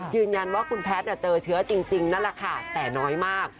ยืนยันว่าคุณแพทย์เจอเชื้อจริงนั่นแหละค่ะแต่น้อยมาก